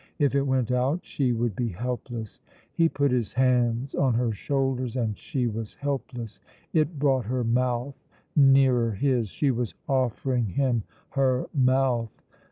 If it went out she would be helpless. He put his hands on her shoulders, and she was helpless. It brought her mouth nearer his. She was offering him her mouth.